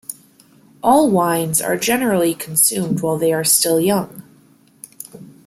All wines are generally consumed while they are still young.